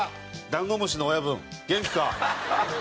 ダンゴムシの親分元気か？